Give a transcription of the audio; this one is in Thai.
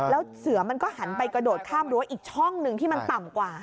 แล้วเสือมันก็หันไปกระโดดข้ามรั้วอีกช่องหนึ่งที่มันต่ำกว่า